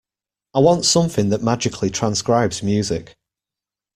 I want something that magically transcribes music.